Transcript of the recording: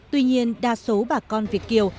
tuy nhiên đa số bà con việt kiều